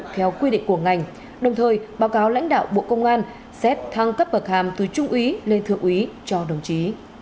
theo quy định của ngành đồng thời báo cáo lãnh đạo bộ công an xét thăng cấp bậc hàm từ trung úy lên thượng úy cho đồng chí